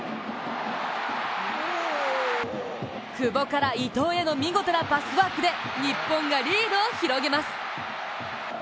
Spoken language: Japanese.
久保から伊東への見事なパスワークで日本がリードを広げます。